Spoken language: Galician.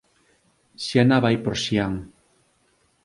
Xiana vai por Xián